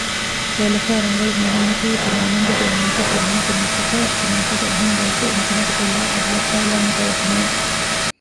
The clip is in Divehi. ހެޔޮލަފާ ރަނގަޅު މީހުންނަކީ ތިމާމެންގެ ބޭނުންތައް ފުރިހަމަކުރުމަށްޓަކައި ތިމާފަދަ އެހެން ބަޔަކު ނިކަމެތިކޮށްލައި އަގުވައްޓައިލާނެ ބަޔަކުނޫން